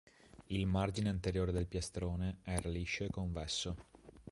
Il margine anteriore del piastrone era liscio e convesso.